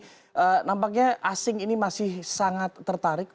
jadi nampaknya asing ini masih sangat tertarik